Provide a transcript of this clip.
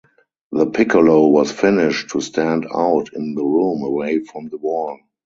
The piccolo was finished to stand out in the room away from the wall.